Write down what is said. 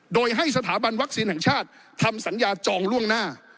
โดยให้สถาบันวัคซีนแห่งชาติทำสัญญาจองล่วงหน้า